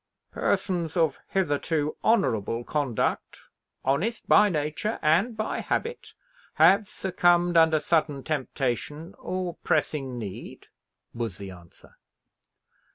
"Persons of hitherto honourable conduct, honest by nature and by habit, have succumbed under sudden temptation or pressing need," was the answer.